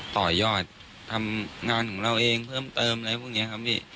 ต่อยอดทำงานของเราเองเพิ่มเติมอะไรพวกนี้ครับพี่